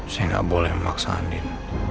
saya gak boleh memaksa andin